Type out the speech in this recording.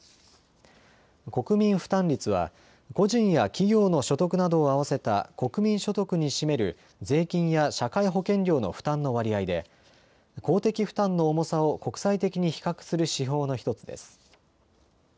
国民負担率は個人や企業の所得などを合わせた国民所得に占める税金や社会保険料の負担の割合で公的負担の重さを国際的に比較する指標の１つです。